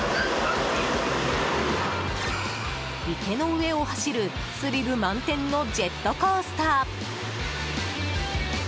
池の上を走るスリル満点のジェットコースター。